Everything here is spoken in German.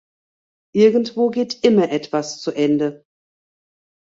Irgendwo geht immer etwas zu Ende.